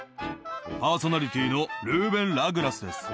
パーソナリティーのルーベン・ラグラスです。